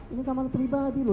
ini kamar pribadi loh